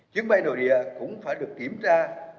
chương bay nội địa cũng phải được kiểm tra